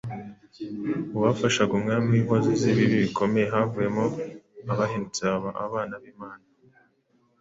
Mu bafashaga umwami w’inkozi y’ibibi bikomeye havuyemo abahindutse baba abana b’Imana